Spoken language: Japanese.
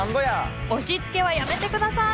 押しつけはやめて下さい！